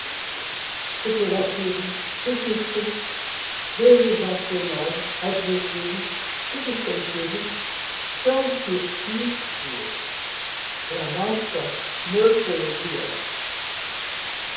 superlativo, sufixo derivacional, adjetivos, substantivo, frontispício, gramática, morfologia